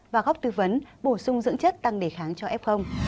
và góc tư vấn bổ sung dưỡng chất tăng đề kháng cho f